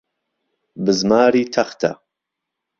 بزماری تەختە.